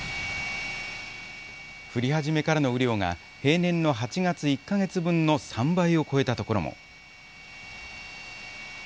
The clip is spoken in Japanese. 降り始めからの雨量が平年の８月１か月分の３倍を超えたところも。